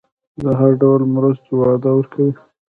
د هر ډول مرستو وعده ورکړي.